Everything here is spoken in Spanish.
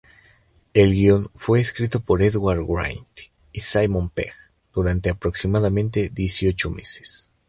El guion fue escrito por Edgar Wright y Simon Pegg durante aproximadamente dieciocho meses.